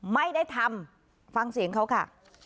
ไม่ได้ทำฟังเสียงเขาค่ะ